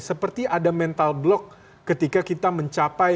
seperti ada mental block ketika kita mencapai u dua puluh